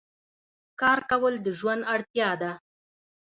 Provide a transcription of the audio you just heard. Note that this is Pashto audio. کار کول د ژوند اړتیا ده.